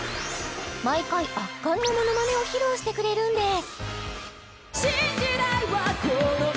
毎回圧巻のものまねを披露してくれるんです